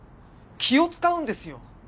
気を遣うんですよ。